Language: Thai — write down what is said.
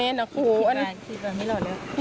แม้ตอนนั้นกูคิดว่าไม่รอดเลย